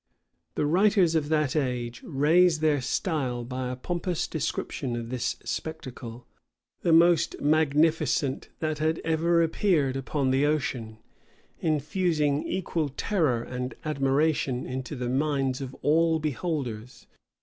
The writers of that age raise their style by a pompous description of this spectacle; the most magnificent that had ever appeared upon the ocean, infusing equal terror and admiration into the minds of all beholders.